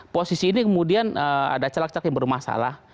posisi ini kemudian ada caleg caleg yang bermasalah